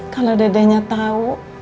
kalau dedehnya tau